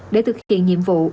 để thực hiện nhiệm vụ